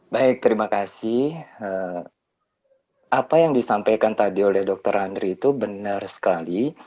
baik terima kasih apa yang disampaikan tadi oleh dr andri itu benar sekali